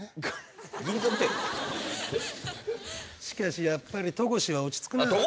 しかしやっぱり戸越は落ち着くな。